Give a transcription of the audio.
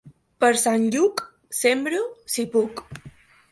Per Sant Lluc sembro, si puc.